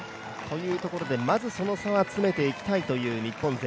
まずその差を詰めていきたいという日本勢。